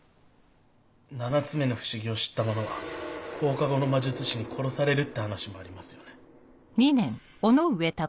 ７つ目の不思議を知った者は放課後の魔術師に殺されるって話もありますよね。